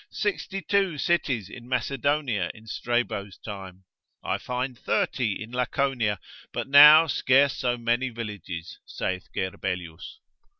Sixty two cities in Macedonia in Strabo's time. I find 30 in Laconia, but now scarce so many villages, saith Gerbelius.